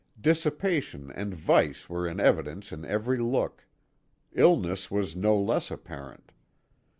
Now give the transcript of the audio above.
Dissipation and vice were in evidence in every look; illness was no less apparent.